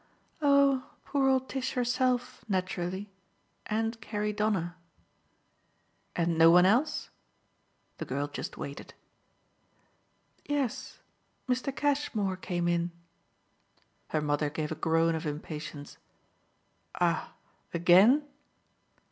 "Oh poor old Tish herself, naturally, and Carrie Donner." "And no one else?" The girl just waited. "Yes, Mr. Cashmore came in." Her mother gave a groan of impatience. "Ah AGAIN?"